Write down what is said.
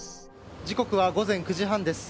時刻は午前９時半です。